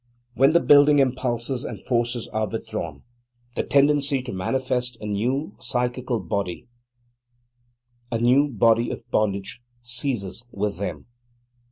When the building impulses and forces are withdrawn, the tendency to manifest a new psychical body, a new body of bondage, ceases with them.